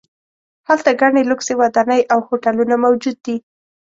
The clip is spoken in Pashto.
هلته ګڼې لوکسې ودانۍ او هوټلونه موجود دي.